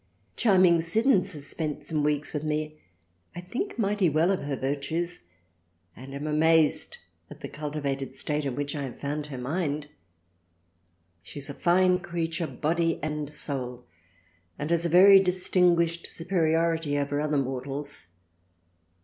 Charming Siddons has spent some weeks with me, I think mighty well of her Virtues and am amazed at the cultivated State in which I have found her mind. She is a fine creature Body and Soul and has a very distinguished superiority over other Mortals.